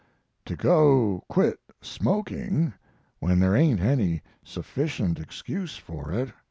To go quit smoking, when there ain't any sufficient excuse for it!